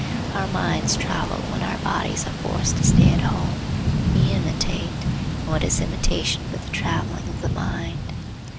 Our minds travel when our bodies are forced to stay at home. We imitate; and what is imitation but the travelling of the mind?